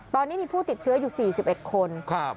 ตอนนี้มีผู้ติดเชื้ออยู่สี่สิบเอ็กซ์คนครับ